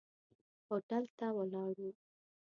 هوټل ته ولاړو.